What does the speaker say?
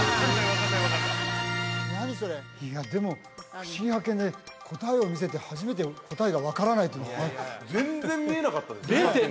いやでも「ふしぎ発見！」で答えを見せて初めて答えが分からないというのがある全然見えなかったですねえ